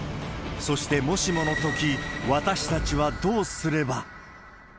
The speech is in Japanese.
そして、もしものとき、私たちはどうすれば。